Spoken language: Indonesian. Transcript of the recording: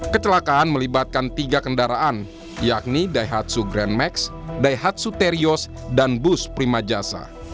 kecelakaan melibatkan tiga kendaraan yakni daihatsu grand max daihatsu terios dan bus prima jasa